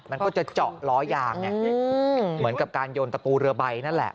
มันก็จะเจาะล้อยางเหมือนกับการโยนตะปูเรือใบนั่นแหละ